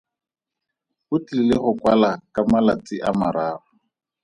O tlile go kwala ka ga malatsi a mararo.